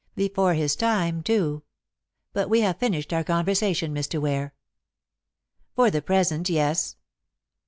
Before his time, too. But we have finished our conversation, Mr. Ware." "For the present, yes."